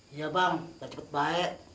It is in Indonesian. iya bang biar cepet baik